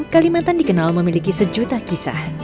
kalimantan dikenal memiliki sejuta kisah